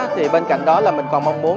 thì bên cạnh đó là mình còn mong muốn